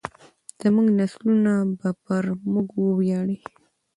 زموږ نسلونه به پر موږ وویاړي.